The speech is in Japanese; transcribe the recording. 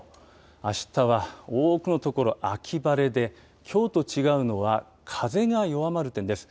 あしたは多くの所、秋晴れで、きょうと違うのは、風が弱まる点です。